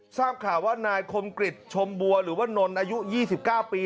ทราบข่าวว่านายคมกริจชมบัวหรือว่านนอายุ๒๙ปี